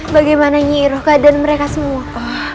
bagaimana nyiruh keadaan mereka semua